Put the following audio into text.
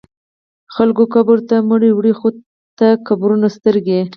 خلک قبرو ته مړي وړي خو ته قبرونه سترګې